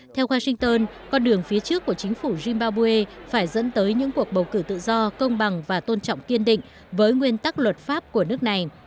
theo washington con đường phía trước của chính phủ zimbabwe phải dẫn tới những cuộc bầu cử tự do công bằng và tôn trọng kiên định với nguyên tắc luật pháp của nước này